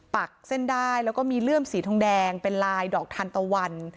ปักเส้นได้แล้วก็มีเลื่อมสีทองแดงเป็นลายดอกทานตะวัน